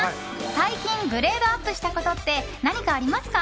最近グレードアップしたことって何かありますか？